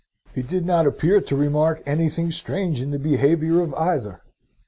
"He did not appear to remark anything strange in the behaviour of either.